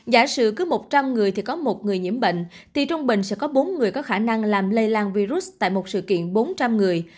giả sử cứ một trăm linh người thì có một người nhiễm bệnh thì trung bình sẽ có bốn người có khả năng làm lây lan virus tại một sự kiện bốn trăm linh người